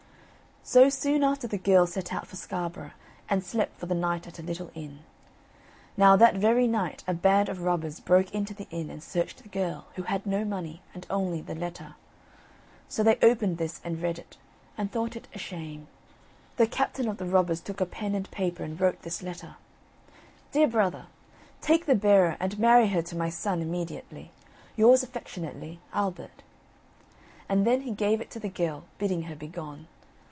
So soon after the girl set out for Scarborough, and slept for the night at a little inn. Now that very night a band of robbers broke into the inn, and searched the girl, who had no money, and only the letter. So they opened this and read it, and thought it a shame. The captain of the robbers took a pen and paper and wrote this letter: "Dear Brother, Take the bearer and marry her to my son immediately. "Yours affectionately, "Albert." And then he gave it to the girl, bidding her begone.